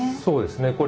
そうですね。